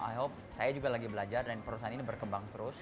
i hope saya juga lagi belajar dan perusahaan ini berkembang terus